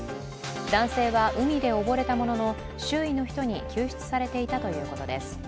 男性は海で溺れたものの、周囲の人に救出されていたということです。